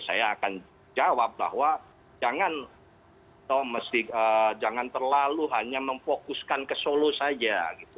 saya akan jawab bahwa jangan terlalu hanya memfokuskan ke solo saja gitu